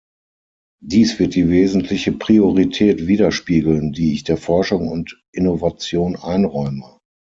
Dies wird die wesentliche Priorität widerspiegeln, die ich der Forschung und Innovation einräume.